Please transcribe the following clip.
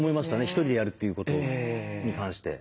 ひとりでやるっていうことに関して。